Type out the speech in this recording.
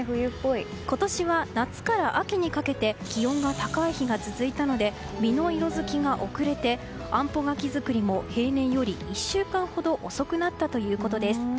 今年は、夏から秋にかけて気温が高い日が続いたので実の色づきが遅れてあんぽ柿作りも平年より１週間ほど遅くなったということです。